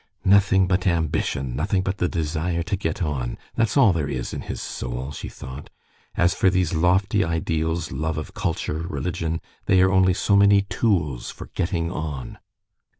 "Nothing but ambition, nothing but the desire to get on, that's all there is in his soul," she thought; "as for these lofty ideals, love of culture, religion, they are only so many tools for getting on."